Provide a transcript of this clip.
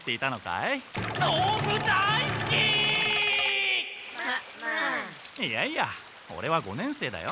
いやいやオレは五年生だよ。